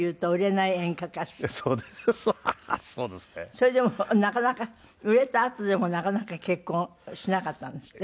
それでもなかなか売れたあとでもなかなか結婚しなかったんですって？